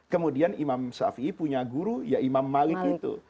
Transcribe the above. kemudian imam syafi'i punya guru ya imam malik itu